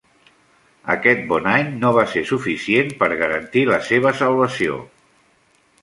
Aquest bon any no va ser suficient per garantir la seva salvació.